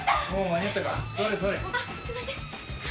あっすいません。